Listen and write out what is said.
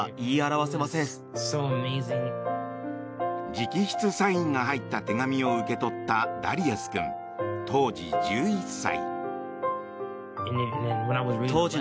直筆サインが入った手紙を受け取ったダリアス君、当時１１歳。